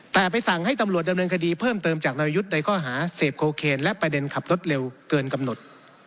แต่ไปสั่งให้ตำรวจดำเนินคดีเพิ่มเติมจากนารยุทธ์ในข้อหาเสพโคเคนและประเด็นขับรถเร็วเกินกำหนด